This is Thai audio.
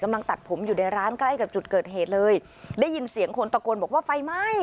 กำลังตัดผมอยู่ในร้านใกล้กับจุดเกิดเหตุเลยได้ยินเสียงคนตะโกนบอกว่าไฟไหม้